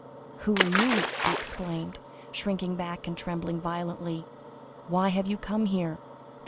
"Who are you?" he exclaimed, shrinking back and trembling violently. "Why have you come here?